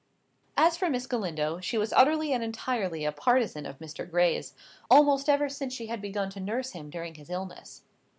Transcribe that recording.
As for Miss Galindo, she was utterly and entirely a partisan of Mr. Gray's, almost ever since she had begun to nurse him during his illness.